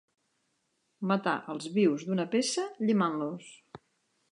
Matar els vius d'una peça llimant-los.